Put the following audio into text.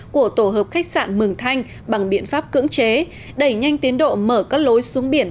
của tổ hợp khách sạn mường thanh bằng biện pháp cưỡng chế đẩy nhanh tiến độ mở các lối xuống biển